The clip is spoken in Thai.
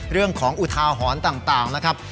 เรื่องของอุทาหรณ์ต่างนะครับ